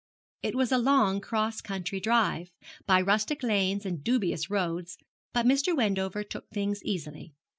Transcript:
It was a long cross country drive, by rustic lanes and dubious roads, but Mr. Wendover took things easily.